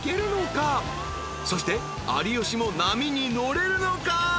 ［そして有吉も波に乗れるのか？］